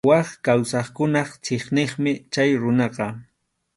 Wak kawsaqkuna chiqniqmi chay runaqa.